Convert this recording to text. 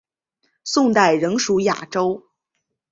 宋代仍属雅州。